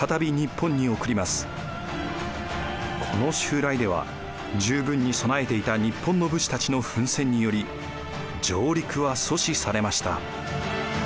この襲来では十分に備えていた日本の武士たちの奮戦により上陸は阻止されました。